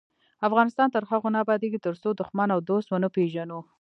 افغانستان تر هغو نه ابادیږي، ترڅو دښمن او دوست ونه پیژنو.